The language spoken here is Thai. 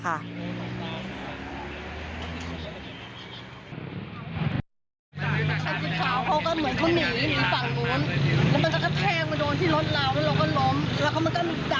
ขาวเขาก็เหมือนเขาหนีหนีฝั่งนู้นแล้วมันก็กระแทงมาโดนที่รถเรา